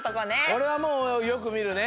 これはもうよくみるね。